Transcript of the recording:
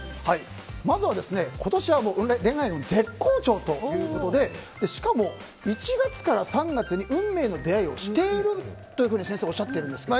まずは今年は恋愛運が絶好調ということでしかも、１月から３月に運命の出会いをしていると先生おっしゃっているんですが。